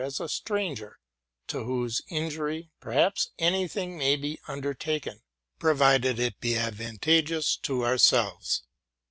as a stranger, to whose injury, perhaps, any thing may be under taken, provided it be advantageous to ourselves.